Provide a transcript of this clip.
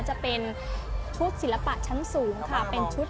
จะเป็นชุดศิลปะชั้นสูงค่ะ